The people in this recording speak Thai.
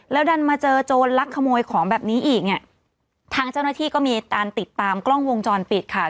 ดันมาเจอโจรลักขโมยของแบบนี้อีกเนี่ยทางเจ้าหน้าที่ก็มีการติดตามกล้องวงจรปิดค่ะ